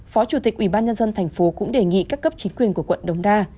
phó chủ tịch ubnd tp cũng đề nghị các cấp chính quyền của quận đồng đa